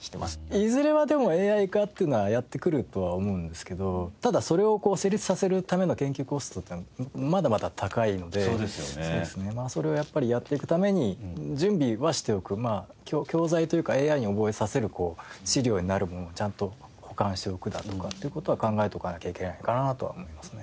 いずれはでもＡＩ化っていうのはやって来るとは思うんですけどただそれを成立させるための研究コストっていうのはまだまだ高いのでそれをやっぱりやっていくために準備はしておく教材というかＡＩに覚えさせる資料になるものをちゃんと保管しておくだとかっていう事は考えておかなきゃいけないかなとは思いますね。